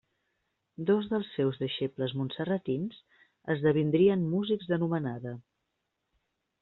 Dos dels seus deixebles montserratins esdevindrien músics d'anomenada: